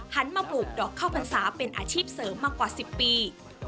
หันมาปลูกดอกข้าวพรรษาเป็นอาชีพเสริมมากว่า๑๐ปี